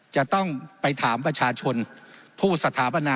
จะต้องไปถามประชาชนผู้สถาปนา